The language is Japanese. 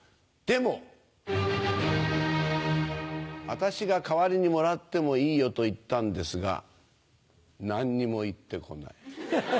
「私が代わりにもらってもいいよ」と言ったんですが何にも言って来ない。